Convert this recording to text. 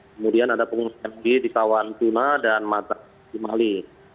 kemudian ada pengungsi md di tawan tuna dan di mali